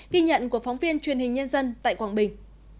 ghi nhận của phóng viên truyền hình nhân dân tại quảng bình